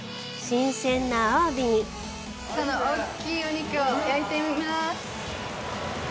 新鮮なアワビにこの大きいお肉を焼いてみまーす。